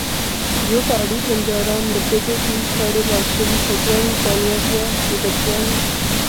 یو پہاڑی بنجاراں مدتیں تھیں ساڑھے معاشرے وچ سٹیاں وی جانیاں سیاں تہ دسیاں وی